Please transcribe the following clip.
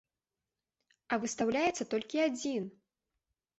А выстаўляецца толькі адзін!